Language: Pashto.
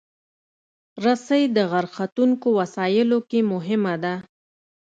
رسۍ د غر ختونکو وسایلو کې مهمه ده.